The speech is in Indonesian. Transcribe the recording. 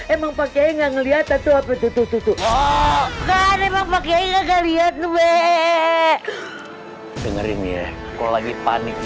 emang pakai nggak ngelihat atau apa tutup tuh enggak lihat weh dengerin ya kalau lagi panik